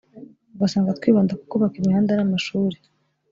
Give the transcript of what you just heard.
ugasanga twibanda ku kubaka imihanda n’amashuri